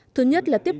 thứ nhất là tiền tài